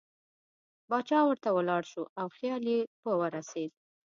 باچا ورته ولاړ شو او خیال یې په ورسېد.